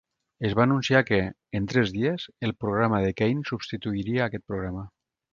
És va anunciar que, en tres dies, el programa de Kane substituiria aquest programa.